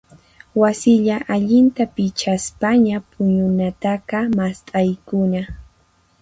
Wasilla allinta pichaspaña puñunataqa mast'aykuna.